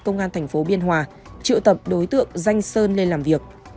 công an thành phố biên hòa triệu tập đối tượng danh sơn lên làm việc